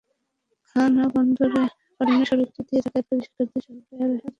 খানাখন্দের কারণে সড়কটি দিয়ে যাতায়াতকারী শিক্ষার্থীসহ প্রায় আড়াই হাজার মানুষ ভোগান্তি পোহাচ্ছে।